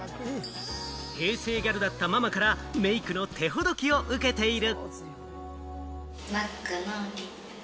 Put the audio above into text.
平成ギャルだったママからメークの手ほどきを受けている。